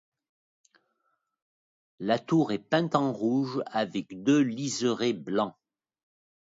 La tour est peinte en rouge avec deux liserés blancs.